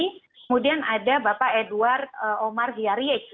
kemudian ada bapak edward omar hyaryek